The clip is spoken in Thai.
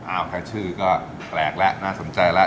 แค่ชื่อก็แปลกแล้วน่าสนใจแล้ว